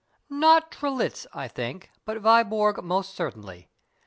"Not Trelitz, I think, but Viborg almost certainly.